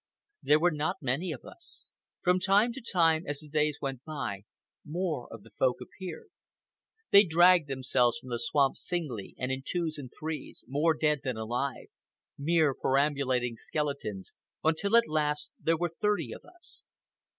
There were not many of us. From time to time, as the days went by, more of the Folk appeared. They dragged themselves from the swamp singly, and in twos and threes, more dead than alive, mere perambulating skeletons, until at last there were thirty of us.